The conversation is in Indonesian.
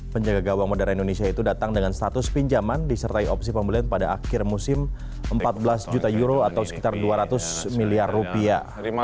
penjaga gawang modern indonesia itu datang dengan status pinjaman disertai opsi pembelian pada akhir musim empat belas juta euro atau sekitar dua ratus miliar rupiah